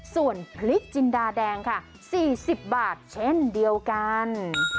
ส่วนพริกจินดาแดงค่ะ๔๐บาทเช่นเดียวกัน